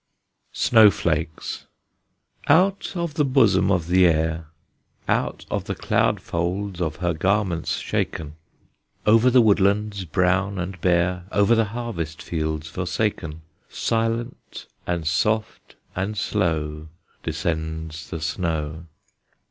SNOW FLAKES. Out of the bosom of the Air, Out of the cloud folds of her garments shaken, Over the woodlands brown and bare Over the harvest fields forsaken, Silent, and soft, and slow Descends the snow.